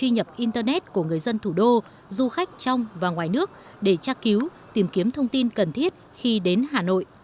cập internet của người dân thủ đô du khách trong và ngoài nước để tra cứu tìm kiếm thông tin cần thiết khi đến hà nội